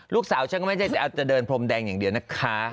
ลูกสาวชั้นไม่ใช่แต่จะเดินพรมแดงอย่างเดียวนะคะ